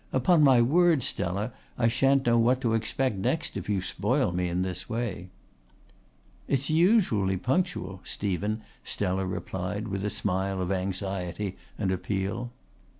Upon my word, Stella, I shan't know what to expect next if you spoil me in this way." "It's usually punctual, Stephen," Stella replied with a smile of anxiety and appeal.